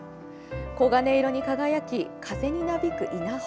黄金色に輝き、風になびく稲穂。